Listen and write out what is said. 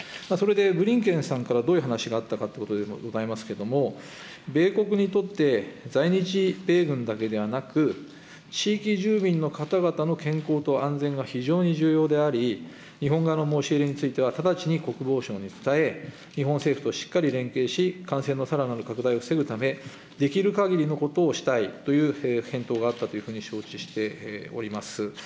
それでブリンケンさんからどういう話があったかということでございますけれども、米国にとって、在日米軍だけではなく、地域住民の方々の健康と安全が非常に重要であり、日本側の申し入れについては直ちに国防省に伝え、日本政府としっかり連携し、感染のさらなる拡大を防ぐため、できるかぎりのことをしたいという返答があったというふうに承知しております。